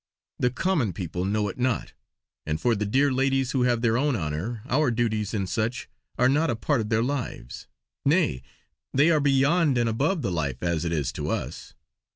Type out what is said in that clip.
The common people know it not; and for the dear ladies who have their own honour, our duties in such are not a part of their lives nay! they are beyond and above the life as it is to us.